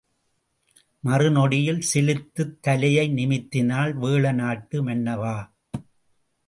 மறு நொடியில் சிலிர்த்துத் தலையை நிமிர்த்தினாள் வேழநாட்டு மன்னவா!